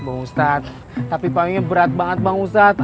bang ustadz tapi panggi berat banget bang ustadz